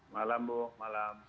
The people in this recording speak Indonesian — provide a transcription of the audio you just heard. malam bu malam